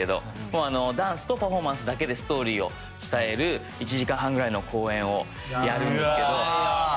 もうダンスとパフォーマンスだけでストーリーを伝える１時間半ぐらいの公演をやるんですけど。